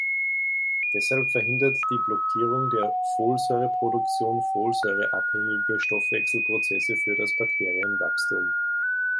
Deshalb verhindert die Blockierung der Folsäureproduktion folsäureabhängige Stoffwechselprozesse für das Bakterienwachstum.